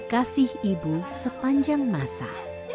kasih ibu sepanjang masa